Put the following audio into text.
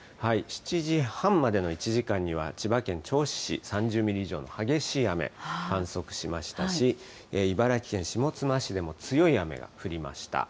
７時半までの１時間には千葉県銚子市３０ミリ以上の激しい雨、観測しましたし、茨城県下妻市でも強い雨が降りました。